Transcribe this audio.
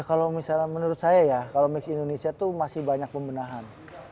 kalau misalnya menurut saya ya kalau mix indonesia itu masih banyak pembendahan